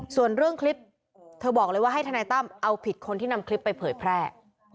ส่วนเรื่องคลิปเธอบอกเลยว่าให้ทนายตั้มเอาผิดคนที่นำคลิปไปเผยแพร่